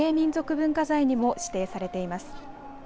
文化財にも指定されています。